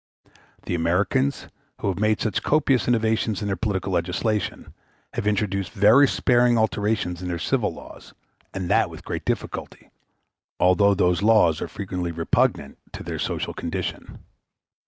The Americans, who have made such copious innovations in their political legislation, have introduced very sparing alterations in their civil laws, and that with great difficulty, although those laws are frequently repugnant to their social condition.